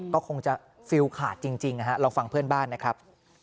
ก็คงจะฟิลขาดจริงนะฮะลองฟังเพื่อนบ้านนะครับ